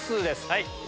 はい。